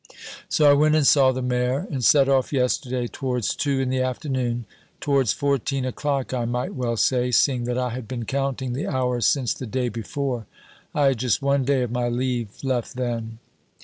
So I went and saw the mayor, and set off, yesterday, towards two in the afternoon towards fourteen o'clock I might well say, seeing that I had been counting the hours since the day before! I had just one day of my leave left then.